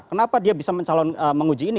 kenapa dia bisa menguji ini